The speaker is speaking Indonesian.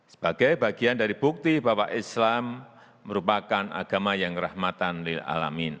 sebagai bagian dari bukti bahwa islam merupakan agama yang rahmatan lil'alamin